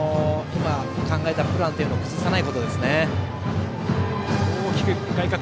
今、考えたプランを崩さないことですね。